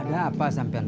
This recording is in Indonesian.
ada apa sampai noise